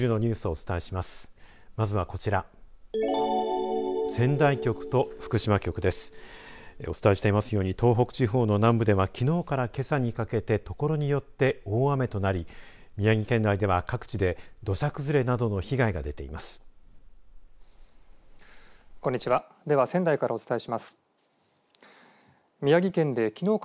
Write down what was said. お伝えしていますように東北地方の南部ではきのうから、けさにかけてところによって大雨となり宮城県内では各地で土砂崩れなどの被害が出ています。